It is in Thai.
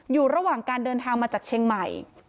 อยู่ระหว่างการเดินทางมาจากเชียงใหม่